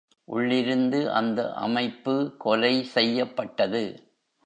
உள்ளிருந்து அந்த அமைப்பு கொலை செய்யப்பட்டது.